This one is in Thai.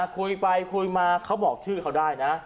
คุยไปคุยมาเขาบอกชื่อเขาได้นะ